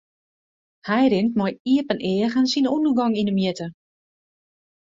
Hy rint mei iepen eagen syn ûndergong yn 'e mjitte.